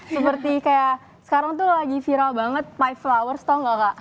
seperti kayak sekarang tuh lagi viral banget mie flowers tau gak kak